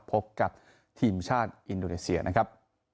พบกับทีมชาติอินโดนีเซียนะครับ